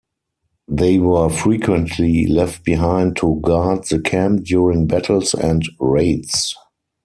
They were frequently left behind to guard the camp during battles and raids.